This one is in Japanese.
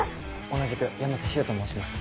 同じく山瀬修と申します。